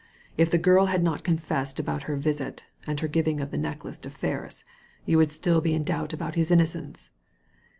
If the girl had not confessed about her visit, and her giving of the necklace to Ferris, you would still be in doubt about his innocence."